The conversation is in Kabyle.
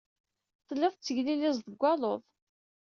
Telliḍ tetteglilizeḍ deg waluḍ.